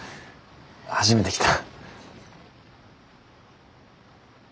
初めて着た。